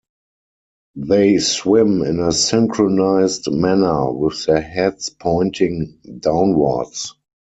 They swim in a synchronized manner with their heads pointing downwards.